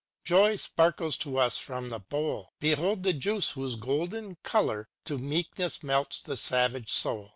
Joy sparkles to us from the bowl: Behold the juice whose golden color To meekness melts the savage soul.